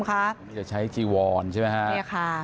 นี่จะใช้จีวอนใช่ไหมคะ